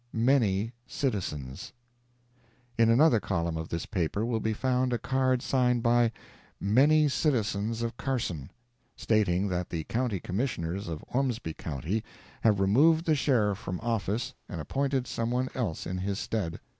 "MANY CITIZENS."—In another column of this paper will be found a card signed by "Many Citizens of Carson," stating that the County Commissioners of Ormsby county have removed the Sheriff from office and appointed some one else in his stead.